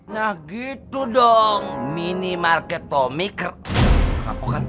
nah gitu dong mini market tommy kerampokan